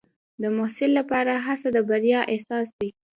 د محصل لپاره هڅه د بریا اساس دی.